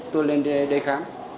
tôi lên đây khám